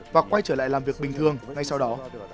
và quay trở lại làm việc bình thường ngay sau đó